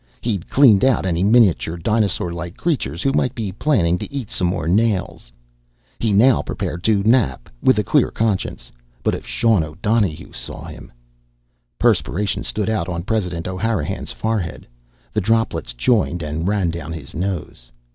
He'd cleaned out any miniature, dinosaurlike creatures who might be planning to eat some more nails. He now prepared to nap, with a clear conscience. But if Sean O'Donohue saw him ! Perspiration stood out on President O'Hanrahan's forehead. The droplets joined and ran down his nose.